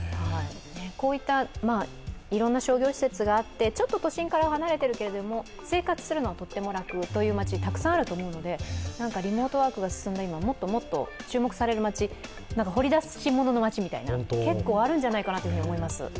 こういったいろんな商業施設があってちょっと都心から離れているけれども、生活するのはとっても楽という街、たくさんあると思うのでリモートワークが進んだ今、もっともっと注目される街、掘り出し物の街みたいな、結構あるんじゃないかなと思います。